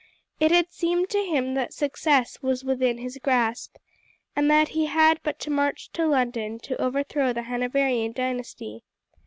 It had seemed to him that success was within his grasp, and that he had but to march to London to overthrow the Hanoverian dynasty.